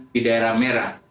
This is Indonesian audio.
di daerah merah